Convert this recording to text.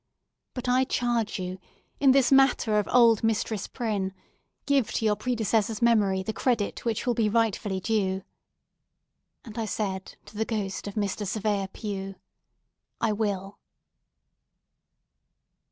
But I charge you, in this matter of old Mistress Prynne, give to your predecessor's memory the credit which will be rightfully due" And I said to the ghost of Mr. Surveyor Pue—"I will".